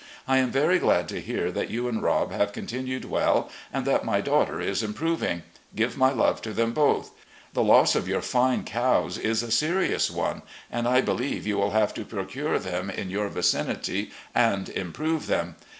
I am very glad to hear that you and Rob have continued well, and that my daughter is improving. Give my love to them both. The loss of your fine cows is a serious one, and I MRS. R. E. LEE 327 believe you will have to procure them in your vicinity and improve them.